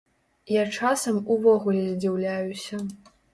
Я часам увогуле здзіўляюся.